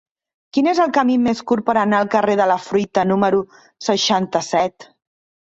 Quin és el camí més curt per anar al carrer de la Fruita número seixanta-set?